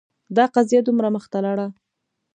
دا قضیه دومره مخته لاړه